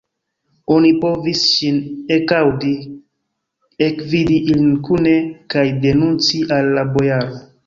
Oni povis ŝin ekaŭdi, ekvidi ilin kune kaj denunci al la bojaro.